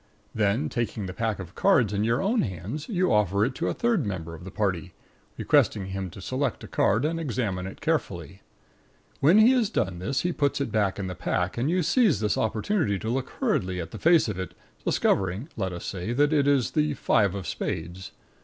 Then, taking the pack of cards in your own hands, you offer it to a third member of the party, requesting him to select a card and examine it carefully. When he has done this he puts it back in the pack, and you seize this opportunity to look hurriedly at the face of it, discovering (let us say) that it is the five of spades.